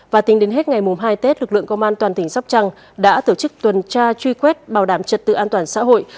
và tính đến hết ngày hai tết lực lượng công an toàn tỉnh sóc trăng đã tổ chức tuần tra truy quét bảo đảm trật tự an toàn xã hội